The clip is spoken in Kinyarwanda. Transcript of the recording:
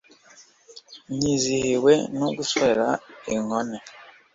Nizihiwe no gushorera inkone,